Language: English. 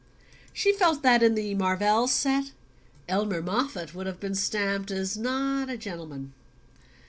She felt that in the Marvell set Elmer Moffatt would have been stamped as "not a gentleman."